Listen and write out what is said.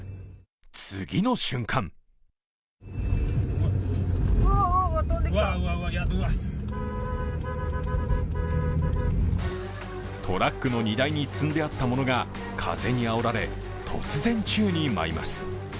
次の瞬間トラックの荷台に積んであったものが風にあおられ、突然宙に舞います。